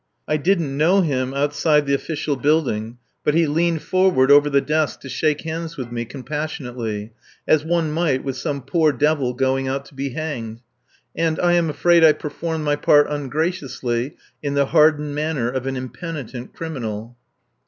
I didn't know him outside the official building, but he leaned forward the desk to shake hands with me, compassionately, as one would with some poor devil going out to be hanged; and I am afraid I performed my part ungraciously, in the hardened manner of an impenitent criminal.